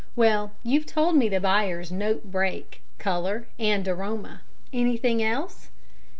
Well, you've told me the buyers note break, colour and aroma. Anything else?